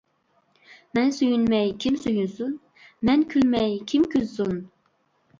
مەن سۆيۈنمەي كىم سۆيۈنسۇن؟ مەن كۈلمەي كىم كۈلسۇن!